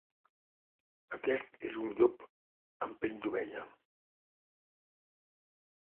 Aquest és un llop amb pell d'ovella.